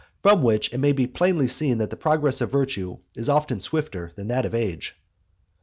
From which it may be plainly seen that the progress of virtue is often swifter than that of age. XVIII.